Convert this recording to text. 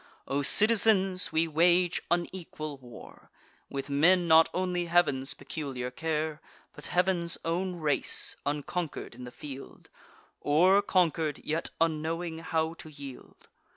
O citizens, we wage unequal war, With men not only Heav'n's peculiar care, But Heav'n's own race; unconquer'd in the field, Or, conquer'd, yet unknowing how to yield.